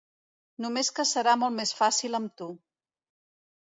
Només que serà molt més fàcil amb tu.